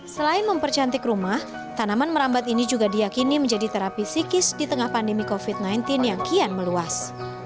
selain mempercantik rumah tanaman merambat ini juga diakini menjadi terapi psikis di tengah pandemi covid sembilan belas yang kian meluas